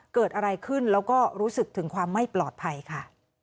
เกิดอะไรขึ้นแล้วก็รู้สึกถึงความไม่ปลอดภัยค่ะ